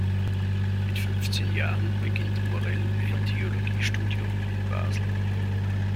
Mit fünfzehn Jahren beginnt Morel ein Theologiestudium in Basel.